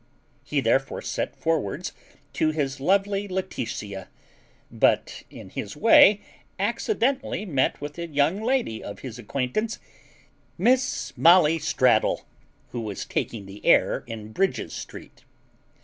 He therefore set forwards to his lovely Laetitia; but in his way accidentally met with a young lady of his acquaintance, Miss Molly Straddle, who was taking the air in Bridges street.